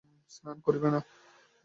স্নান করিবে না?